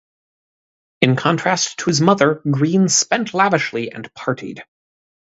In contrast to his mother, Green spent lavishly and partied.